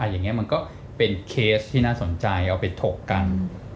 อย่างนี้มันก็เป็นเคสที่น่าสนใจเอาไปถกกัน